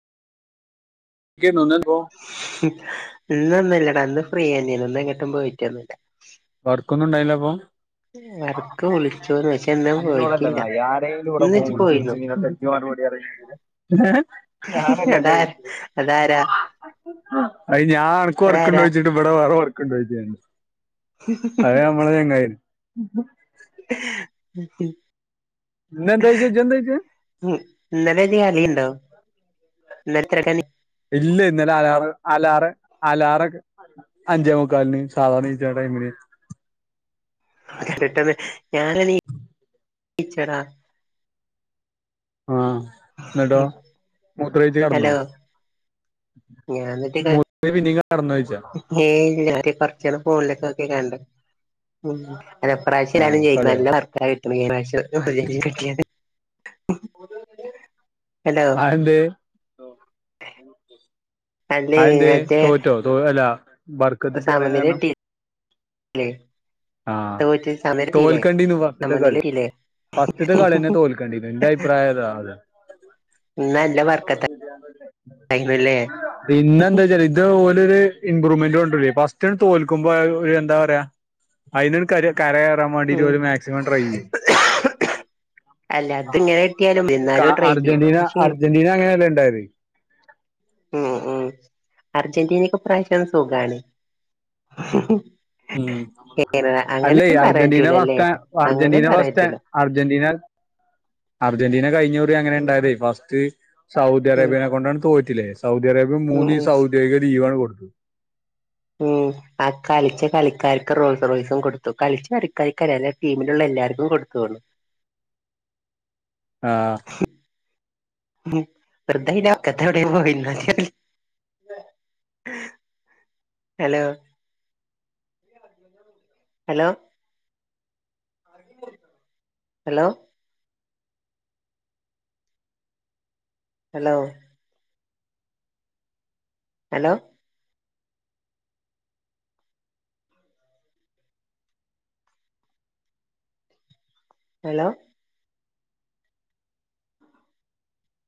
ക്കേനു ഇന്നെന്തോ ഇന്നൊന്നുമില്ലടാ അന്ന് ഫ്രീയാനെന്നു ന്ന് എങ്ങട്ടും പോയിട്ട് ഒന്നില്ല വർക്കൊന്നും ഇണ്ടായില്ല അപ്പൊ വർക്ക് വിളിച്ചൂന്ന് പക്ഷെ ഇന്ന് അന്നോടല്ല പോയിട്ടില്ല നായേ ആരേങ്കിലും ഇവിടെ ഇന്ന് ഫോൺ ഇജ്ജ് വിളിച്ച് പോയിന്നോ ചോയ്ച്ചിന്നേ കെട്ടോള ാനല്ലല്ല അതാര കഴിക്കത് അതാരാ [unintelligible] അ ഞാൻ അനക്ക് ഉറക്കണ്ട അതാരാ ചോച്ചിട്ട് ഇവിടെ വേറെഓറ അതെ നമ്മള ചങ്ങായി ഉ [unintelligible] ഇന്നെന്താ ചോദിച്ചാ ഇജ്ജെന്താ ചോദിച്ചാ ഉ ഇന്നലെ ഇ കളിയുണ്ടോ [unintelligible] ഇല്ല ഇന്നലെ അലാർ അലാറ് അലാറെ അഞ്ചേ മുക്കാലിന് സാധാരണ നീച്ച ണ മു [unintelligible] ഇിച്ചട ആ ഇന്നട്ടോ മൂത്രഴിച്ച കടന്നോ മൂത്ര പിന്നെയും കടന്നോ ചോദിച്ചാ [unintelligible] കൊറചേരം ഫോണിലേക്ക ഒക്കെ കണ്ട ഉ ആ അത്പ്രാവശ്യയില ആണ് ചെയ്ന്നത് കളിയോ നല്ല വർക്ക ആ കിട്ടുന്നത് ഏ പ്രാവശം കട്ടിയാണ് [unintelligible] ആ എന്ത് അല്ലേ അതെന്താ മറ്റേ തോറ്റോ തോ അല്ല വർക്കത്തിട്ട് ഇറിയൻ കാരണം അല്ല ആ തോൽക്കണ്ടിന് ഫസ്റ്റ്ത്തെ സമനില കളി കിട്ടിയില്ലേ ഫസ്റ്റ് ത്ത കളിനെ തോൽക്കേണ്ടിരുന്നു എന്റെ അഭിപ്രായം അതാ അതെ ഇന്ന് നല്ല വർക്ക ല്ലേ പിന്നെന്താച്ചാ ഇത് ഇമ്രുമെന്റ് മെന്റ് കൊണ്ട ഫസ്റ്റ്ണ് തോൽക്കുമ്പോ എന്താ പറയാ അ കര കറാൻ വേണ്ടിട്ട് ഉം ഒരു മാക്സിമം ട്രൈ ചെയ്യും അല്ല അതിങ്ങനെ കിട്ടിയാലും എന്നാലും ട്രൈ ചെയ്യും അർജന്റീന പക്ഷെ അർജന്റീന അങ്ങനെയല്ല ഉണ്ടായത് ഉം ഉം അർജന്റീനക്ക് പ്രാവശ്യം സുഖാണ് ഉം അല്ലേ അങ്ങനെന്നും പറയാൻ അർജന്റീന പറ്റൂലല്ലേ ഫസ്റ്റ അങ്ങനെയും അർജന്റീന പറയാൻ ഫസ്റ്റ പറ്റൂല അർജന്റീന അർജന്റീന കഴിഞ്ഞറി അങ്ങനെ ഉം ഉണ്ടായതേ ഫസ്റ്റ് സൗദി ഉം അറേബ്യനെ കൊണ്ടാണ് തോയിറ്റില്ലേ സൗദി അറേബ്യ ഉം മൂന്ന് ഉം സൗദ്യോഗിക ലീവാണ് കൊടുത്തത് ഉം ആ കളിച്ച കളിക്കാർക്ക് റോസ് റോസും കൊടുത്തു കളിച്ച കളിക്കാർക്ക്ല്ല ടീമിലുള്ള എല്ലാവർക്കും കൊടുത്തു [unintelligible] [unintelligible] ആ ഉം വൃദ്ധ ക്കത്തെ എവിടെ പോയിന്ന hello hello hello hello hello hello